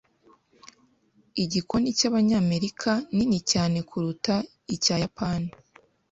Igikoni cyabanyamerika nini cyane kuruta icyayapani.